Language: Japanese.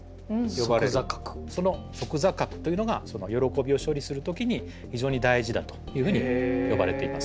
その側坐核というのがその喜びを処理する時に非常に大事だというふうに呼ばれています。